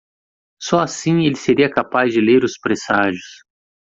Só assim ele seria capaz de ler os presságios.